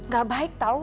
gak baik tau